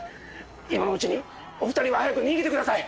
今のうちにお二人は早く逃げてください！